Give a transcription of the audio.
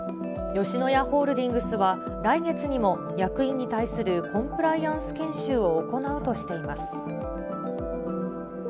吉野家ホールディングスは、来月にも役員に対するコンプライアンス研修を行うとしています。